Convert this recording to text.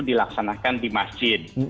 dilaksanakan di masjid